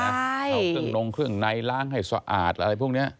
เอาเครื่องนงเครื่องในล้างให้สะอาดอะไรพวกนี้